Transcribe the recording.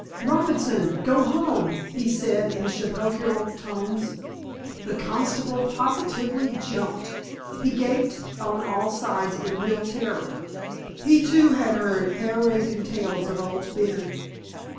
"Robinson—go home!" he said, in sepulchral tones. The constable positively jumped. He gaped on all sides in real terror. He, too, had heard hair raising tales of Owd Ben.